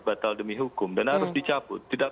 batal demi hukum dan harus dicabut tidak